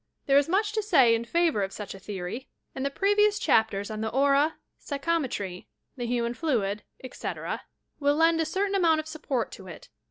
There is much to say in favour of such a theory, and the pre HAUNTED HOUSES 245 vious chapters on the Aura, Paychometry, The Human Fluid, etc., will lend a certain amount of support to it.